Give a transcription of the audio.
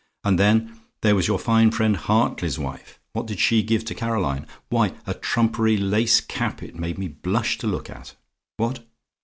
And then there was your fine friend Hartley's wife what did she give to Caroline? Why, a trumpery lace cap it made me blush to look at. What?